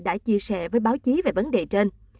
đã chia sẻ với báo chí về vấn đề trên